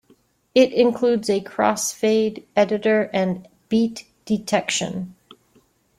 It includes a crossfade editor and beat detection.